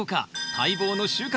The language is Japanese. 待望の収穫。